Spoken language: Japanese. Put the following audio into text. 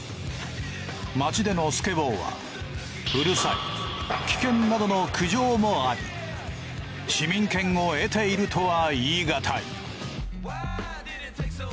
街でのスケボーは「うるさい」「危険」などの苦情もあり市民権を得ているとは言い難い。